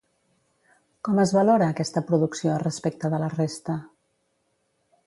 Com es valora aquesta producció respecte de la resta?